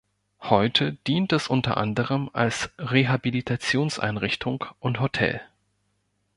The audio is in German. Heute dient es unter anderem als Rehabilitationseinrichtung und Hotel.